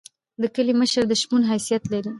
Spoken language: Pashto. د کلی مشر د شپون حیثیت لري.